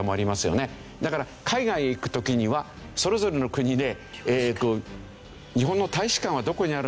だから海外へ行く時にはそれぞれの国で日本の大使館はどこにあるのかな？